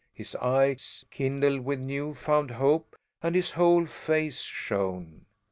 His eyes kindled with new found hope and his whole face shone.